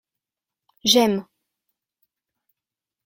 J’aime.